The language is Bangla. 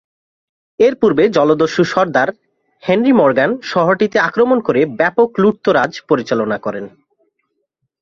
এরপূর্বে জলদস্যু সরদার হেনরি মর্গ্যান শহরটিতে আক্রমণ করে ব্যাপক লুটতরাজ পরিচালনা করেন।